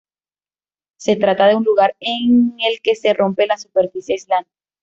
Se trata de un lugar en el que se rompe la superficie aislante.